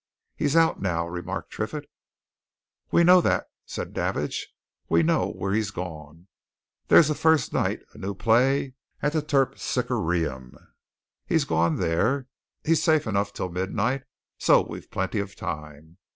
"He's out now," remarked Triffitt. "We know that," said Davidge. "We know where he's gone. There's a first night, a new play, at the Terpsichoreum he's gone there. He's safe enough till midnight, so we've plenty of time.